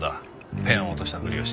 ペンを落としたふりをして。